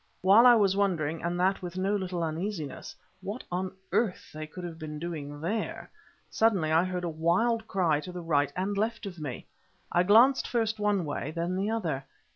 While I was wondering—and that with no little uneasiness—what on earth they could be doing there, suddenly I heard a wild cry to the right and left of me. I glanced first one way, then the other.